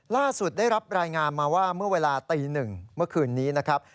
ได้รับรายงานมาว่าเมื่อเวลาตีหนึ่งเมื่อคืนนี้นะครับ